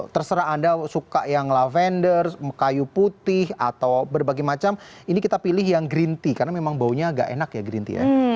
terserah anda suka yang lavender kayu putih atau berbagai macam ini kita pilih yang green tea karena memang baunya agak enak ya green tea ya